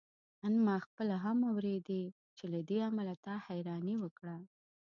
آن ما خپله هم اورېدې چې له دې امله تا حيراني وکړه.